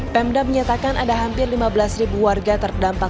pemda menyatakan ada hampir lima belas ribu warga terdampak